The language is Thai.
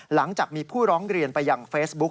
หลังจากมีผู้ร้องเรียนไปยังเฟซบุ๊ค